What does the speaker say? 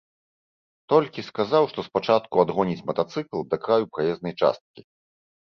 Толькі сказаў, што спачатку адгоніць матацыкл да краю праезнай часткі.